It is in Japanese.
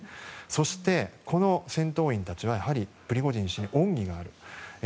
そして、この戦闘員たちはプリゴジン氏に恩義がある。